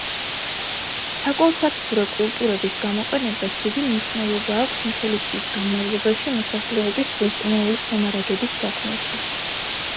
საკვალსათბურე კულტურების გამოყენებას დიდი მნიშვნელობა აქვს მთელი წლის განმავლობაში მოსახლეობის ბოსტნეულით მომარაგების საქმეში.